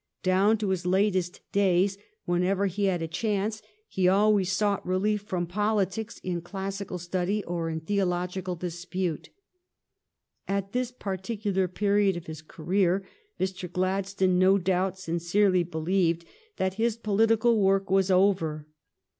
Down to his latest days, whenever he had a chance, he always sought relief from politics in classical study or in theological dispute. At this particular period of his career Mr. Gladstone no doubt sincerely believed that his political work was over.